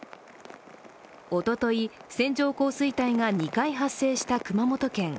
おととい、線状降水帯が２回発生した熊本県。